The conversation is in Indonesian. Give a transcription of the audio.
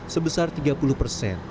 sebesar tiga puluh persen